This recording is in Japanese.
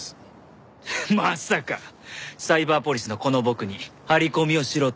まさかサイバーポリスのこの僕に張り込みをしろと？